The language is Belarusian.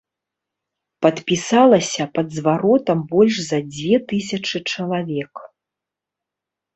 Падпісалася пад зваротам больш за дзве тысячы чалавек.